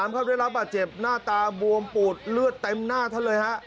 ๘๓ครับเรียนรับอาจเจ็บหน้าตาบวมปูดเลือดเต็มหน้าท่านเลยฮะ